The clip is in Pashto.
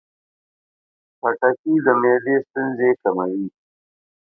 خټکی د معدې ستونزې کموي.